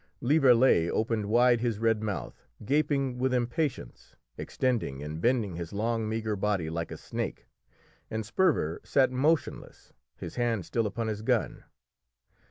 Lieverlé opened wide his red mouth, gaping with impatience, extending and bending his long meagre body like a snake, and Sperver sat motionless, his hand still upon his gun.